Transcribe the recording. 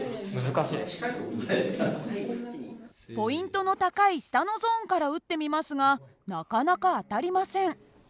ポイントの高い下のゾーンから撃ってみますがなかなか当たりません。